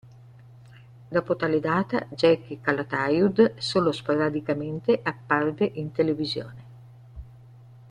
Dopo tale data Jacky Calatayud solo sporadicamente apparve in televisione.